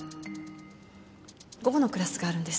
午後のクラスがあるんです。